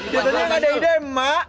dia tadi yang nggak ada ide emak